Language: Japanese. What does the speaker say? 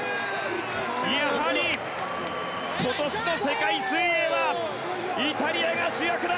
やはり今年の世界水泳はイタリアが主役だ！